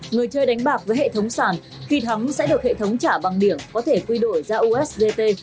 người chơi đánh bạc với hệ thống sàn thì thắng sẽ được hệ thống trả bằng điểm có thể quy đổi ra ustt